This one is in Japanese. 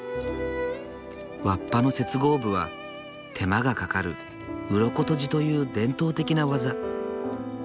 わっぱの接合部は手間がかかる鱗綴じという伝統的な技。